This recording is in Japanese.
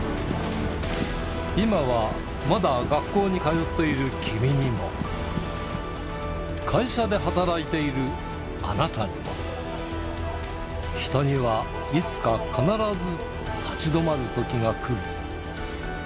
今はまだ学校に通っている君にも、会社で働いてるあなたにも、人にはいつか必ず立ち止まる時がくる。